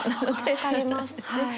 分かりますはい。